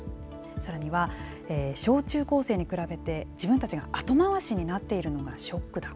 さらには、小中高生に比べて、自分たちが後回しになっているのがショックだ。